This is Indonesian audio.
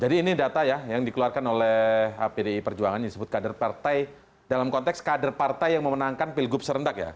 jadi ini data ya yang dikeluarkan oleh pdi perjuangan disebut kader partai dalam konteks kader partai yang memenangkan pilgub serendak ya